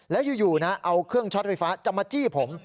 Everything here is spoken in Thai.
แล้วอยู่นะเอาเครื่องช็อตไฟฟ้าจะมาจี้ผม